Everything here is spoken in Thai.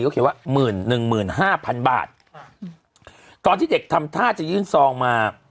เขาเขียนว่าหมื่นหนึ่งหมื่นห้าพันบาทตอนที่เด็กทำท่าจะยื่นซองมา